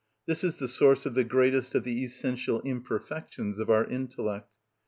This is the source of the greatest of the essential imperfections of our intellect.